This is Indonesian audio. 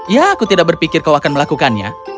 ya aku tidak berpikir kau akan melakukannya